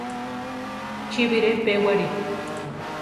Chi bire pewari.